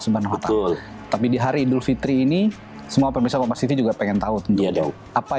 tapi di hari idul fitri ini semua pemirsa bapak siti juga pengen tahu tentu apa